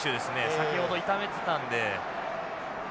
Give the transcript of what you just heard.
先ほど痛めてたんで。